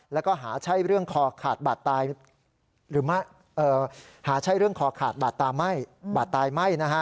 และหาใช้เรื่องขอขาดบาดไตไม่